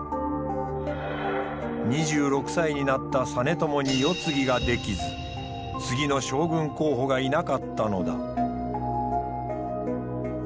２６歳になった実朝に世継ぎができず次の将軍候補がいなかったのだ。